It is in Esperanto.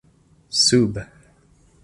sub